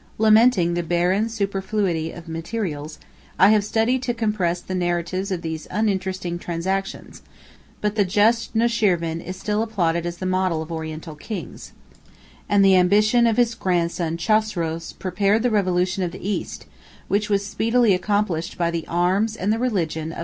Lamenting the barren superfluity of materials, I have studied to compress the narrative of these uninteresting transactions: but the just Nushirvan is still applauded as the model of Oriental kings, and the ambition of his grandson Chosroes prepared the revolution of the East, which was speedily accomplished by the arms and the religion of the successors of Mahomet.